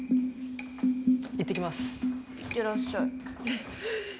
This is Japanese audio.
いってらっしゃい。